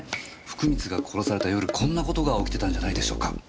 福光が殺された夜こんな事が起きてたんじゃないでしょうか。